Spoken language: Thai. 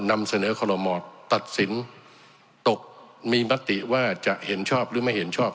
นำเสนอคอลโมตัดสินตกมีมติว่าจะเห็นชอบหรือไม่เห็นชอบ